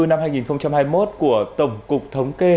năm hai nghìn hai mươi một của tổng cục thống kê